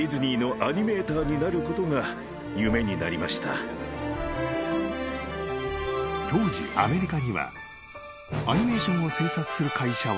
［当時アメリカにはアニメーションを制作する会社は多々あった］